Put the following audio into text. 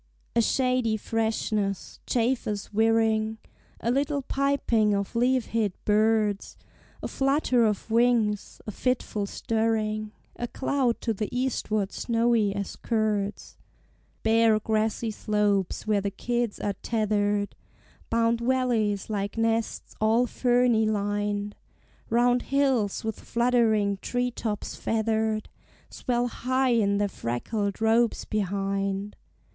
A shady freshness, chafers whirring, A little piping of leaf hid birds; A flutter of wings, a fitful stirring, A cloud to the eastward snowy as curds. Bare grassy slopes, where the kids are tethered, Bound valleys like nests all ferny lined; Round hills, with fluttering tree tops feathered, Swell high in their freckled robes behind.